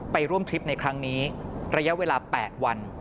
ไปร่วมทริปในครั้งนี้ระยะเวลา๘วัน